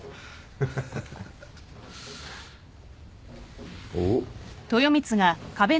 ハハハ！おっ。